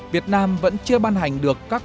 việt nam vẫn chưa ban hành được các